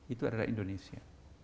itu adalah indonesia